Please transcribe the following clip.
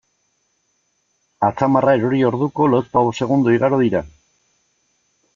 Atzamarra erori orduko, lauzpabost segundo igaro dira?